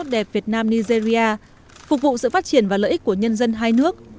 đẹp việt nam nigeria phục vụ sự phát triển và lợi ích của nhân dân hai nước